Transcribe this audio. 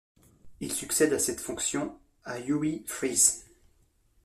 Il succède à cette fonction à Uwe Freese.